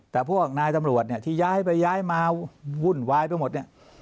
แต่พวกนายตำรวจเนี่ยที่ย้ายไปย้ายมาวุ่นวายไปหมดเนี่ย